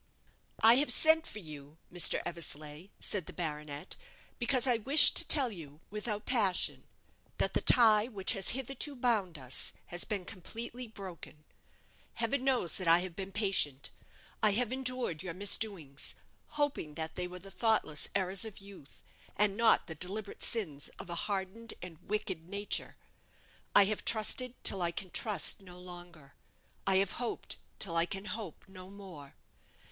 "I have sent for you, Mr. Eversleigh," said the baronet, "because I wished to tell you, without passion, that the tie which has hitherto bound us has been completely broken. Heaven knows I have been patient; I have endured your misdoings, hoping that they were the thoughtless errors of youth, and not the deliberate sins of a hardened and wicked nature. I have trusted till I can trust no longer; I have hoped till I can hope no more.